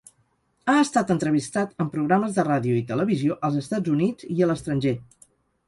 Ha estat entrevistat en programes de ràdio i televisió als Estats Units i a l'estranger.